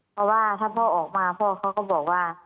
เพราะว่าถ้าพ่อออกมาพ่อเขาก็บอกว่า